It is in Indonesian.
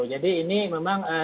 jadi ini memang